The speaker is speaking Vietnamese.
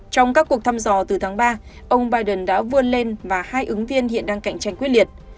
trong các cuộc thăm dò từ tháng ba ông biden đã vươn lên và hai ứng viên hiện đang cạnh tranh quyết liệt